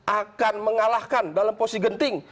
akan mengalahkan dalam posisi genting